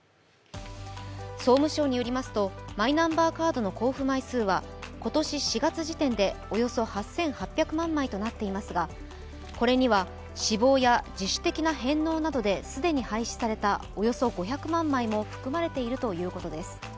総務省によりますとマイナンバーカードの交付枚数は今年４月時点でおよそ８８００万枚となっていますがこれには死亡や自主的な返納などで既に廃止されたおよそ５００万枚も含まれているということです。